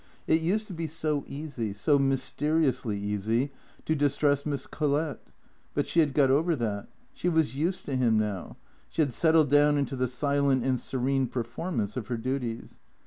It used to be so easy, so mysteriously easy, to distress Miss Collett ; but she had got over that; she was used to him now; she had settled down into the silent and serene performance of her duties.